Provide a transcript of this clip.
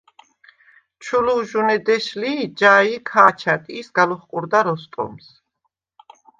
ჩუ ლუვჟუნე დეშ ლი ი ჯაი̄ ქა̄ჩა̈დ ი სგა ლოხყურდა როსტომს.